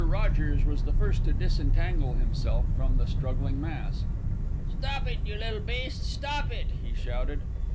Rogers was the first to disentangle himself from the struggling mass. "Stop it, you little beasts! Stop it!" he shouted.